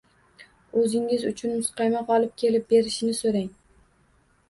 O‘zingiz uchun muzqaymoq olib kelib berishini so‘rang.